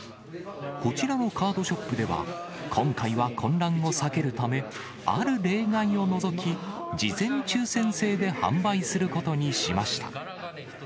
こちらのカードショップでは、今回は混乱を避けるため、ある例外を除き、事前抽せん制で販売することにしました。